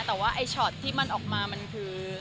แต่ว่าไอ้ช็อตที่มันออกมามันคือ